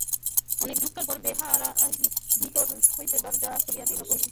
অনেক ধাক্কার পর বেহারা ভিতর হইতে দরজা খুলিয়া দিয়া কহিল, বাবুজি বাড়ি নাই।